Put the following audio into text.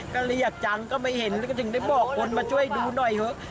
ก็เรียกจังก็ไม่เห็นแล้วก็ถึงได้บอกคนมาช่วยดูหน่อยเถอะ